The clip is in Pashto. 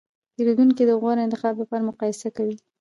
پیرودونکي د غوره انتخاب لپاره مقایسه کوي.